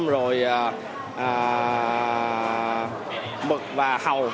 và mực và hầu